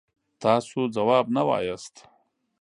تاسو ځواب نه وایاست.